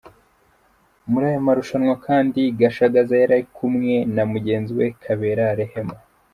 Muri aya marushanwa kandi Gashagaza yari kumwe na mugenzi we Kabera Rehema.